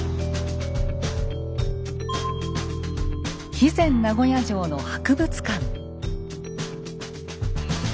肥前名護屋城の博物館。